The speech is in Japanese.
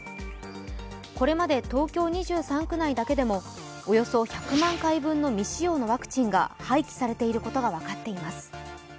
これまで東京２３区内だけでもおよそ１００万回分の未使用のワクチンが廃棄されていることが分かっています。